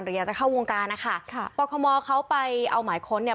อยากจะเข้าวงการนะคะค่ะปคมเขาไปเอาหมายค้นเนี่ย